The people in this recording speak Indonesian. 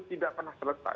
tidak pernah selesai